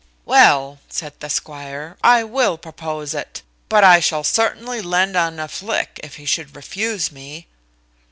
"Well," said the squire, "I will propose it; but I shall certainly lend un a flick, if he should refuse me."